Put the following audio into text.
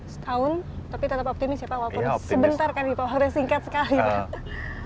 setahun tapi tetap optimis ya pak walaupun sebentar kan di pohon udah singkat sekali